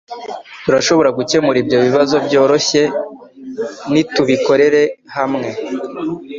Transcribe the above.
Turashobora gukemura ibyo bibazo byoroshye nitubikorera hamwe.